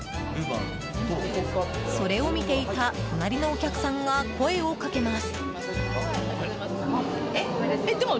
それを見ていた隣のお客さんが声をかけます。